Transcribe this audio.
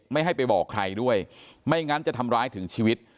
ไม่ให้ไปบอกใครด้วยไม่งั้นจะทำร้ายถึงชีวิต